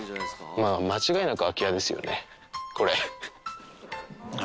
間違いなく空き家ですよね、これ。